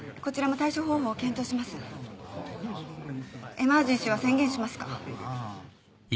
エマージェンシーは宣言しますか？